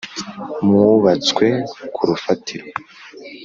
Mwubatswe ku rufatiro.